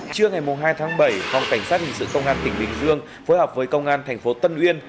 trưa ngày hai tháng bảy phòng cảnh sát hình sự công an tp bình dương phối hợp với công an tp tân uyên